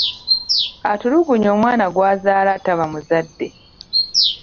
Atulugunya omwana gw’azaala taba muzadde.